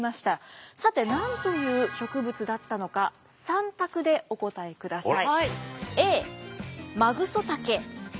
さて何という植物だったのか３択でお答えください。